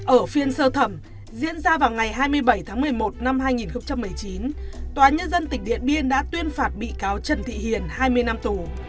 ở phiên sơ thẩm diễn ra vào ngày hai mươi bảy tháng một mươi một năm hai nghìn một mươi chín tòa nhân dân tỉnh điện biên đã tuyên phạt bị cáo trần thị hiền hai mươi năm tù